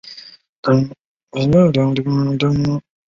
石皋子。